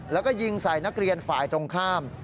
แล้วก็ยิงใส่นักเรียนฝ่ายตรงข้าม